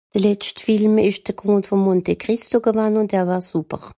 de letscht Film esch de Comte vòm Monte Cristo gewann ùn der war sùper